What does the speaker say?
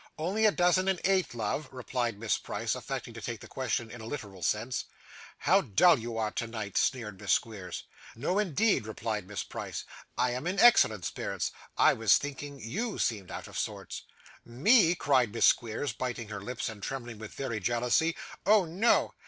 'Only a dozen and eight, love,' replied Miss Price, affecting to take the question in a literal sense. 'How dull you are tonight!' sneered Miss Squeers. 'No, indeed,' replied Miss Price, 'I am in excellent spirits. I was thinking YOU seemed out of sorts.' 'Me!' cried Miss Squeers, biting her lips, and trembling with very jealousy. 'Oh no!